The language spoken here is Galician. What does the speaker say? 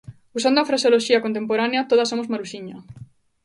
Usando a fraseoloxía contemporánea, "todas somos Maruxiña".